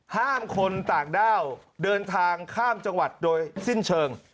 ห้ามคนต่างด้าวเดินทางข้ามจังหวัดโดยสิ้นเชิง